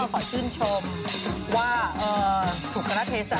ขอชื่นชมว่าถูกกำลังเทสา